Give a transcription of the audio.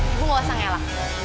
ibu gak usah ngelak